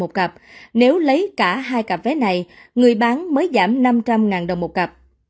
một cặp nếu lấy cả hai cặp vé này người bán mới giảm năm trăm linh đồng một cặp